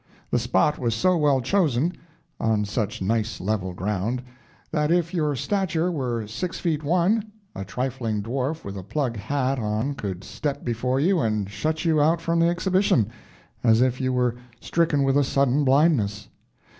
The spot was so well chosen, on such nice level ground, that if your stature were six feet one, a trifling dwarf with a plug hat on could step before you and shut you out from the exhibition, as if you were stricken with a sudden blindness.